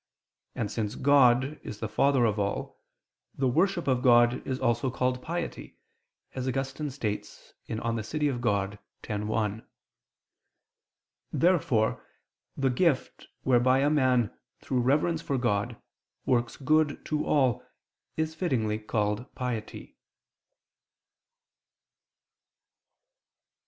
And since God is the Father of all, the worship of God is also called piety, as Augustine states (De Civ. Dei x, 1). Therefore the gift whereby a man, through reverence for God, works good to all, is fittingly called piety.